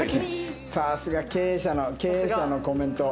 さすが経営者の経営者のコメント。